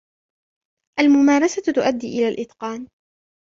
الممارسة تؤدي إلى الإتقان.